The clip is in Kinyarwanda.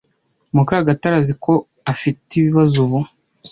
Mukagatare azi ko afite ibibazo ubu.